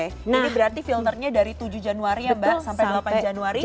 ini berarti filternya dari tujuh januari ya mbak sampai delapan januari